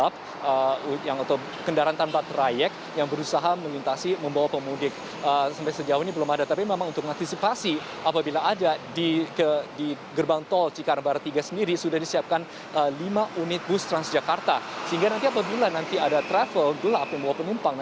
peduli membantu orang lain